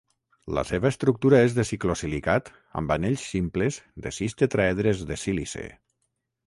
La seva estructura és de ciclosilicat amb anells simples de sis tetraedres de sílice.